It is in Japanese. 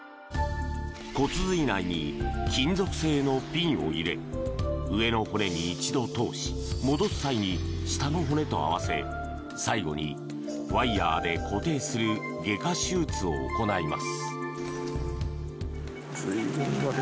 骨髄内に金属製のピンを入れ上の骨に一度通し戻す際に下の骨と合わせ最後にワイヤで固定する外科手術を行います。